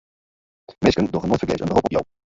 Minsken dogge noait fergees in berop op jo.